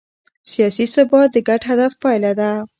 سیاسي ثبات د ګډ هدف پایله ده